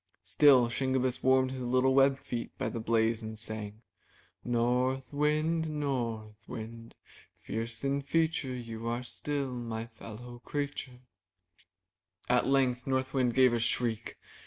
Still Shingebiss warmed his little webbed feet by the blaze and sang: '^North Wind, North Wind, Fierce in feature, You are still my fellow creature/' At length North Wind gave a shriek.